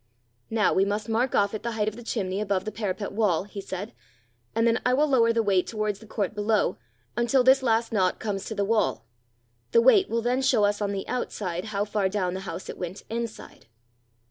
"Now we must mark off it the height of the chimney above the parapet wall," he said; "and then I will lower the weight towards the court below, until this last knot comes to the wall: the weight will then show us on the outside how far down the house it went inside.